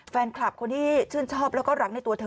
แฟนคลับคนที่ชื่นชอบแล้วก็รักในตัวเธอ